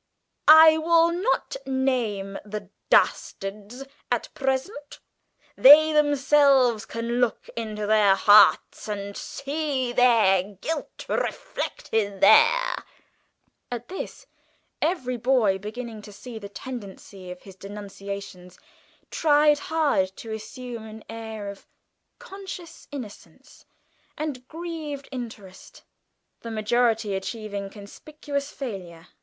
I will not name the dastards at present they themselves can look into their hearts and see their guilt reflected there " At this every boy, beginning to see the tendency of his denunciations, tried hard to assume an air of conscious innocence and grieved interest, the majority achieving conspicuous failure.